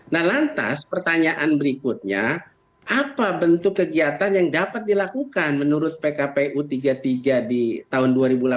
nah lantas pertanyaan berikutnya apa bentuk kegiatan yang dapat dilakukan menurut pkpu tiga puluh tiga di tahun dua ribu delapan belas